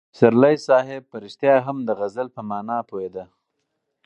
پسرلي صاحب په رښتیا هم د غزل په مانا پوهېده.